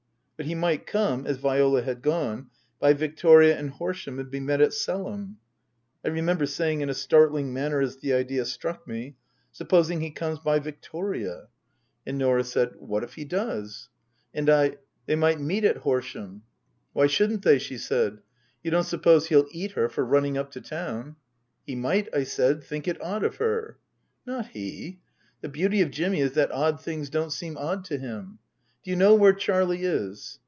But he might come, as Viola had gone, by Victoria and Horsham and be met at Selham. I remember saying, in a startling manner as the idea struck me, " Supposing he comes by Victoria ?" Book II : Her Book 233 And Norah said, " What if he does ?" And I, " They might meet at Horsham." " Why shouldn't they ?" she said. " You don't suppose he'll eat her for running up to town ?"" He might," I said, " think it odd of her." " Not he. The beauty of Jimmy is that odd things don't seem odd to him. Do you know where Charlie is